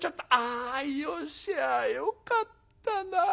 あよしゃあよかったな。